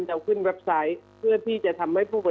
อย่างนั้นเนี่ยถ้าเราไม่มีอะไรที่จะเปรียบเทียบเราจะทราบได้ไงฮะเออ